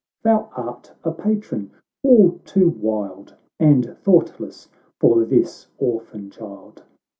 Thou art a patron all too wild And thoughtless, for this orphan child.